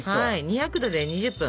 ２００℃で２０分。